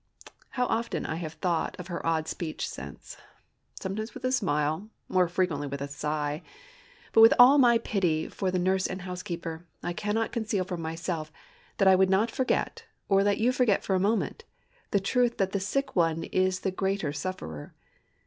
_" How often I have thought of her odd speech since! sometimes with a smile—more frequently with a sigh. But with all my pity for the nurse and housekeeper, I cannot conceal from myself—I would not forget, or let you forget for a moment—the truth that the sick one is the greater sufferer.